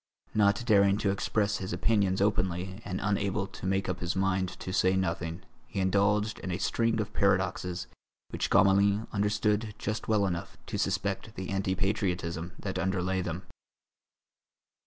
Not daring to express his opinions openly and unable to make up his mind to say nothing, he indulged in a string of paradoxes which Gamelin understood just well enough to suspect the anti patriotism that underlay them.